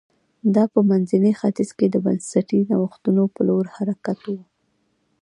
دا په منځني ختیځ کې د بنسټي نوښتونو په لور حرکت و